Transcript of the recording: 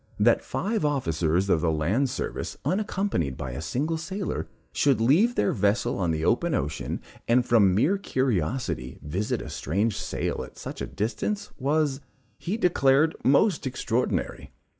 That five officers of the land service, unaccompanied by a single sailor, should leave their vessel on the open ocean, and from mere curiosity, visit a strange sail at such a distance, was, he declared, most extraordinary.